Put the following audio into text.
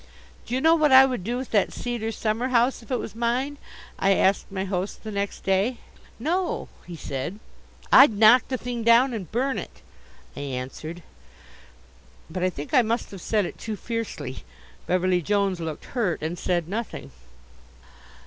"Do you know what I would do with that cedar summer house if it was mine?" I asked my host the next day. "No," he said. "I'd knock the thing down and burn it," I answered. But I think I must have said it too fiercely. Beverly Jones looked hurt and said nothing.